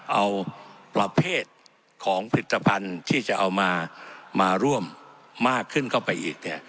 เอาประเภทของผลิตภัณฑ์ที่จะเอามาร่วมมากขึ้นเข้าไปอีก